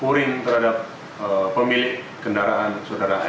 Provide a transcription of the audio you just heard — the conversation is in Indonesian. kurin terhadap pemilik kendaraan saudara r